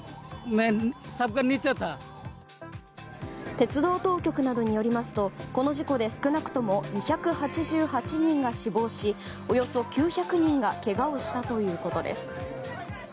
鉄道当局などによりますとこの事故で少なくとも２８８人が死亡しおよそ９００人がけがをしたということです。